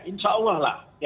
insya allah lah